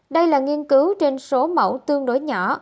đây là nghiên cứu trên số mẫu tương đối nhỏ